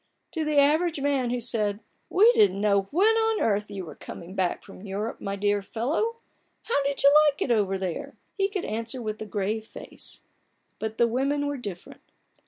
To the average man who said :" We didn't know when on earth you were coming back from Europe, my dear fellow ; how did you like it over there ?" he could answer with a grave face ; but the women were different.